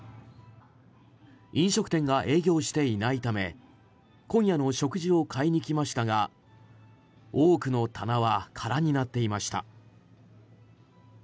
飲食店が営業していないため今夜の食事を買いに来ましたが多くの棚は空になっていました。